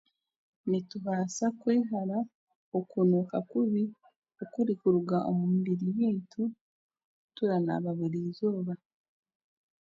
Nitubaasa kwehara okunuuka kubi okurikuruga omu mibiri yaitu turanaaba burizooba.